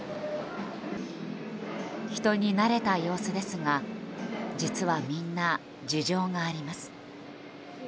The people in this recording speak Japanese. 人になれた様子ですが実は、みんな事情があります。